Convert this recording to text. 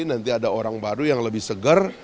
nanti ada orang baru yang lebih segar